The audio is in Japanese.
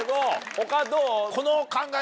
他どう？